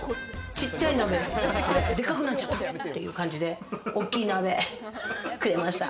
ちっちゃい鍋じゃなくて、でっかくなっちゃったみたいな感じで大きい鍋くれました。